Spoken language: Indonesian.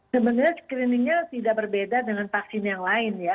sebenarnya screeningnya tidak berbeda dengan vaksin yang lain ya